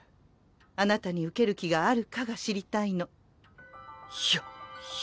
あなたに受ける気があるかが知りたいの。